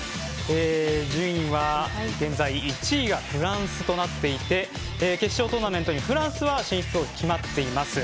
順位は現在１位がフランスとなっていて決勝トーナメントにフランスは進出は決まっています。